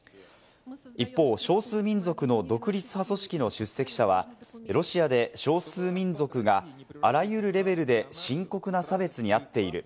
一方、少数民族の独立派組織の出席者はロシアで少数民族があらゆるレベルで深刻な差別に遭っている。